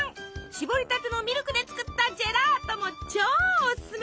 搾りたてのミルクで作ったジェラートも超おすすめ。